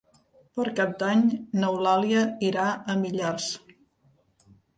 Per Cap d'Any n'Eulàlia irà a Millars.